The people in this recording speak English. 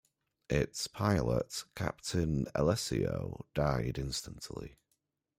Its pilot, Captain Alessio, died instantly.